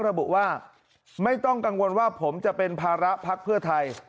ระบุว่าไม่ต้องกังวลว่าผมจะเป็นภาระพักเพื่อไทย